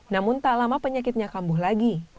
namun tak lama penyakitnya kambuh lagi